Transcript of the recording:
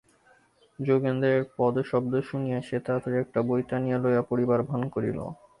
যোগেন্দ্রের পদশব্দ শুনিয়াই সে তাড়াতাড়ি একটা বই টানিয়া লইয়া পড়িবার ভান করিল।